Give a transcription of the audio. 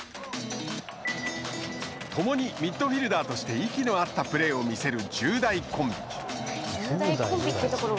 共にミッドフィルダーとして息のあったプレーを見せる１０代コンビ。